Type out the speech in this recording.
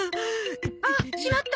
あっ！しまった！